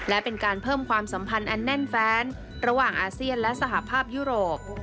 และเป็นการเพิ่มความสัมพันธ์อันแน่นแฟนระหว่างอาเซียนและสหภาพยุโรป